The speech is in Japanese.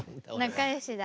仲よしだ。